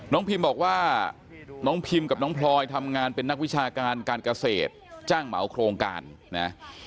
พิมบอกว่าน้องพิมกับน้องพลอยทำงานเป็นนักวิชาการการเกษตรจ้างเหมาโครงการนะ